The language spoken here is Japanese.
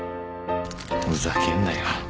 ふざけんなよ